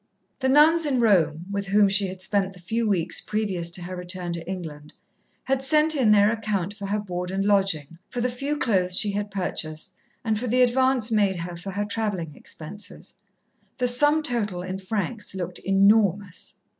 The nuns in Rome, with whom she had spent the few weeks previous to her return to England, had sent in their account for her board and lodging, for the few clothes she had purchased, and for the advance made her for her travelling expenses. The sum total, in francs, looked enormous.